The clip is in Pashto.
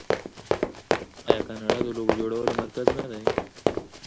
آیا کاناډا د لوبو جوړولو مرکز نه دی؟